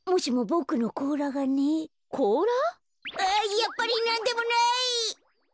やっぱりなんでもない！